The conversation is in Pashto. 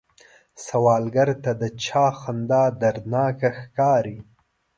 سوالګر ته د چا خندا دردناکه ښکاري